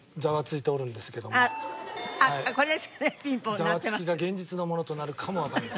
ザワつきが現実のものとなるかもわからない。